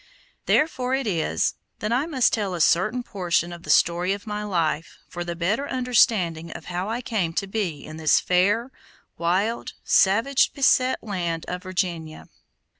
Therefore it is that I must tell a certain portion of the story of my life, for the better understanding of how I came to be in this fair, wild, savage beset land of Virginia.